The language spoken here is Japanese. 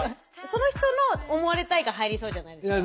その人の思われたいが入りそうじゃないですか。